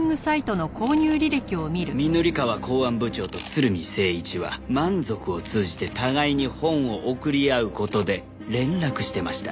御法川公安部長と鶴見征一はＭＡＮＺＯＫＵを通じて互いに本を送り合う事で連絡してました。